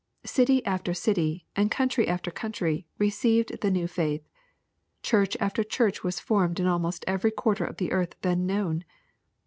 City after city, and country after country, received the new faith. Church after church was formed in almost every quarter of the earth then known.